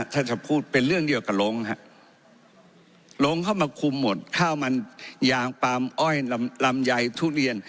ถ้าจะพูดเป็นเรื่องเดียวกับลงฮะลงเข้ามาคุมหมดข้าวมันยางปาล์มอ้อยลำไยทุเรียน